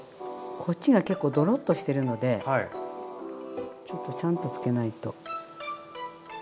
こっちが結構ドロッとしてるのでちょっとちゃんとつけないと。